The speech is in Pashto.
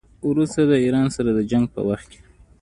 وروسته د ایران سره د جنګ په وخت کې.